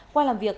qua làm việc